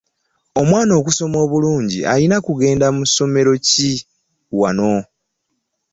Omwana okusoma obulungi alina kugenda ku ssomero ki wano?